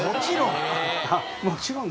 「もちろん！」。